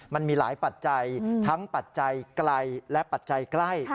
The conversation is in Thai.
มันมีหลายปัจจัยทั้งปัจจัยไกลและปัจจัยใกล้